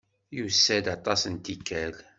Yusa-d aṭas n tikkal.